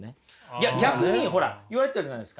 いや逆にほら言われてたじゃないですか。